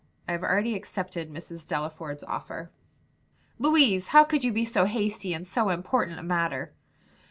I have already accepted Mrs. Delaford's offer." "Louise! how could you be so hasty in so important a matter?"